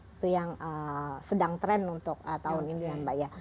itu yang sedang tren untuk tahun ini ya mbak ya